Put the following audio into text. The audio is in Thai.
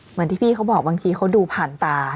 เหมือนที่พี่เขาบอกบางทีเขาดูผ่านตา